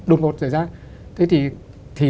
đột ngột xảy ra thế thì